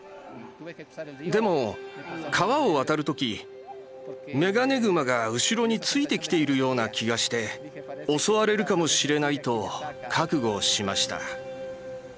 でも川を渡るときメガネグマが後ろについてきているような気がして襲われるかもしれないと覚悟しました。